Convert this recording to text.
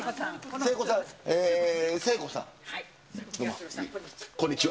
東野さん、こんにちは。